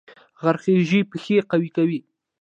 غره خیژي پښې قوي کوي